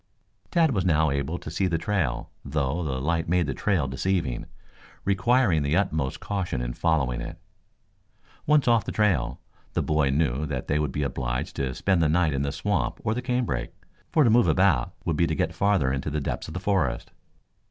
Tad was now able to see the trail, though the light made the trail deceiving, requiring the utmost caution in following it. Once off the trail, the boy knew that they would be obliged to spend the night in the swamp or the canebrake, for to move about would be to get farther into the depths of the forest.